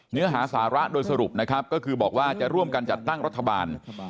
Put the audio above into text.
เนื้อหาสาระโดยสรุปนะครับก็คือบอกว่าจะร่วมกันจัดตั้งรัฐบาล